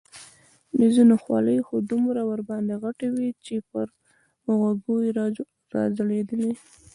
د ځینو خولۍ خو دومره ورباندې غټې وې چې پر غوږو یې را ځړېدلې.